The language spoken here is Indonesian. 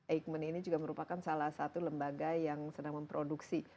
eijkman ini juga merupakan salah satu lembaga yang sedang memproduksi